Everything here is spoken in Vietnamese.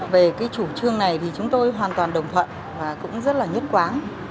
về chủ trương này thì chúng tôi hoàn toàn đồng phận và cũng rất là nhất quán